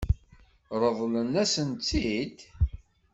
Ṛeḍlen-asen-tt-id?